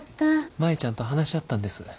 舞ちゃんと話し合ったんです。